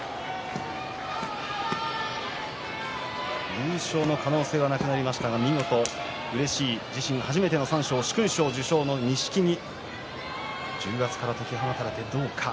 優勝の可能性はなくなりましたが見事、うれしい自身初めての三賞殊勲賞受賞の錦木重圧から解き放たれてどうか。